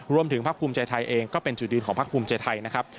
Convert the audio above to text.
รวมถึงภาคภูมิใจไทยเองก็เป็นจุดยืนของภาคภูมิใจไทยนะครับ